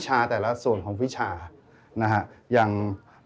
ชื่องนี้ชื่องนี้ชื่องนี้ชื่องนี้